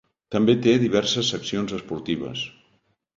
També té diverses seccions esportives.